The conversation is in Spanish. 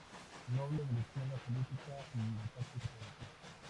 Noble de la izquierda política y tácticas agresivas.